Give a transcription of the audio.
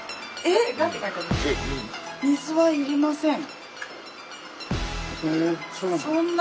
水はいりません。